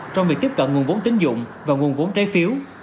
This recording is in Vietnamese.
trong việc tiếp cận nguồn vốn tín dụng và nguồn vốn trái phiếu